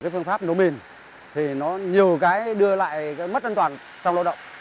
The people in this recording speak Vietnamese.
phương pháp nổ mìn thì nó nhiều cái đưa lại cái mất an toàn trong lao động